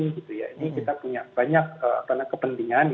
ini kita punya banyak kepentingan